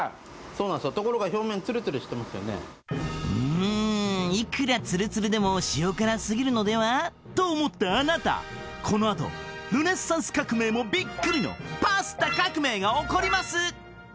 うんいくらツルツルでも塩辛すぎるのでは？と思ったあなたこのあとルネサンス革命もびっくりのパスタ革命が起こります